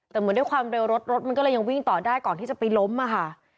แต่เหมือนด้วยความเร็วรถรถมันก็เลยยังวิ่งต่อได้ก่อนที่จะไปล้มอะค่ะ